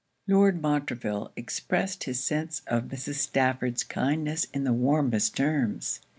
Lord Montreville expressed his sense of Mrs. Stafford's kindness in the warmest terms.